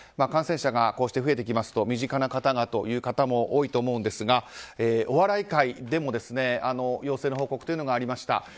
感染者がこうして増えてきますと身近な方がというのも多いと思うんですがお笑い界でも陽性の報告がありました。